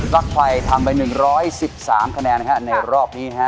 ปลั๊กไฟทำไปหนึ่งร้อยสิบสามคะแนนนะคะในรอบนี้ค่ะ